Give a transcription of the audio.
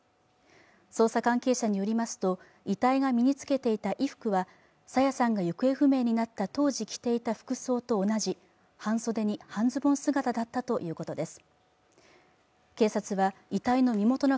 捜査関係者によりますと遺体が身につけていた衣服は朝芽さんが行方不明になった当時着ていた服と同じ半袖に半ズボン姿だったということです。